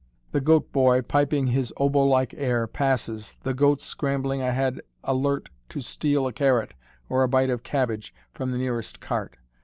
The goat boy, piping his oboe like air, passes, the goats scrambling ahead alert to steal a carrot or a bite of cabbage from the nearest cart.